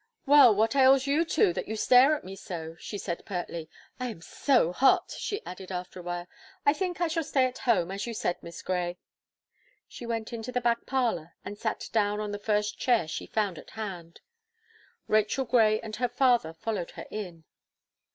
"Well, what ails you two, that you stare at me so," she said, pertly. "I am so hot," she added, after a while. "I think I shall stay at home, as you said. Miss Gray." She went into the back parlour, and sat down on the first chair she found at hand. Rachel Gray and her father followed her in.